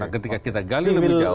ketika kita gali lebih jauh